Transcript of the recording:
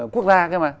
quốc gia kia mà